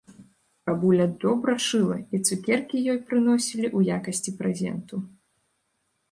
Бабуля добра шыла, і цукеркі ёй прыносілі ў якасці прэзенту.